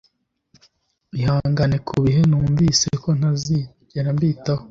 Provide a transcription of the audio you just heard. ihangane kubihe wunvise ko ntazigera mbitaho